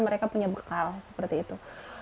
mereka punya bekal seperti itu